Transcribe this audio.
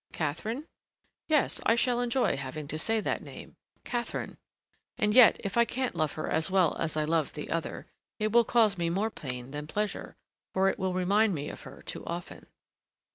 "Catherine? Yes, I shall enjoy having to say that name: Catherine! And yet, if I can't love her as well as I loved the other, it will cause me more pain than pleasure, for it will remind me of her too often."